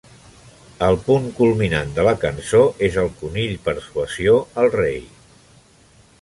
El punt culminant de la cançó és el conill persuasió el rei.